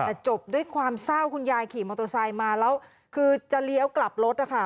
แต่จบด้วยความเศร้าคุณยายขี่มอเตอร์ไซค์มาแล้วคือจะเลี้ยวกลับรถนะคะ